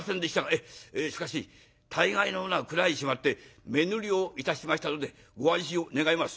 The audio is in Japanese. しかし大概のものは蔵へしまって目塗りをいたしましたのでご安心を願います」。